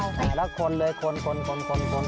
แล้วคนเลยคน